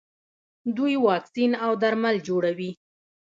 دوی واکسین او درمل جوړوي.